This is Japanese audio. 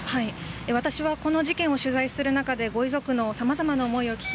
私はこの事件を取材する中でご遺族のさまざまな思いを聞き